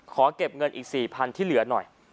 ขอเก็บเงินอีก๔๐๐๐ที่เหลือหน่อย